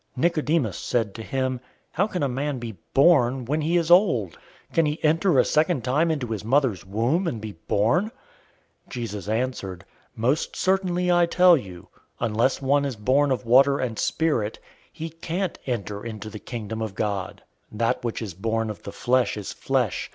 003:004 Nicodemus said to him, "How can a man be born when he is old? Can he enter a second time into his mother's womb, and be born?" 003:005 Jesus answered, "Most certainly I tell you, unless one is born of water and spirit, he can't enter into the Kingdom of God! 003:006 That which is born of the flesh is flesh.